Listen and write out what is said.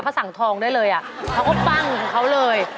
เขาสั่งทองได้เลยอ่ะเขาก็ปั้งของเขาเลย